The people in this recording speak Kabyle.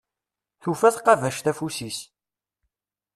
Tufa tqabact afus-is.